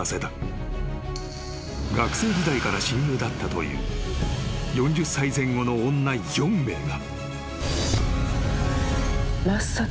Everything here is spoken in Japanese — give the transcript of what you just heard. ［学生時代から親友だったという４０歳前後の女４名が］